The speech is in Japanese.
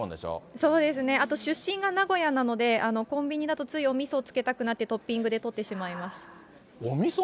そうですね、あと出身が名古屋なので、コンビニだとついおみそをつけたくなって、トッピングで取ってしまいます。